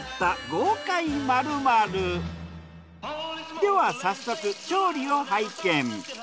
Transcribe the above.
では早速調理を拝見。